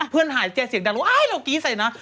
เพื่อนหายใจเสียงดันรู้ว่าเรากรี๊ดไส่นะ